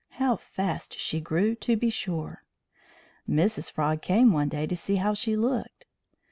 How fast she grew, to be sure! Mrs. Frog came one day to see how she looked.